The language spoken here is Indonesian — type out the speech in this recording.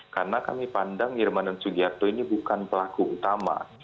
karena kami pandang irman dan sugiarto ini bukan pelaku utama